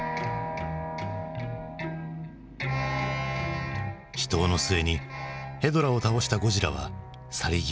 死闘の末にヘドラを倒したゴジラは去り際に。